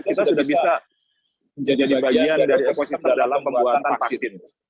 kita sudah bisa menjadi bagian dari ekosistem dalam pembuatan vaksin